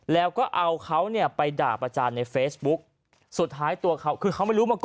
แล้วก็เอาเขาเนี่ยไปด่าประจานในเฟซบุ๊กสุดท้ายตัวเขาคือเขาไม่รู้มาก่อน